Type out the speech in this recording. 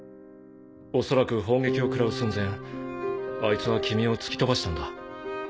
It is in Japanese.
恐らく砲撃をくらう寸前あいつは君を突き飛ばしたんだ。